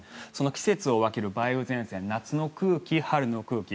季節を分ける梅雨前線夏の空気、春の空気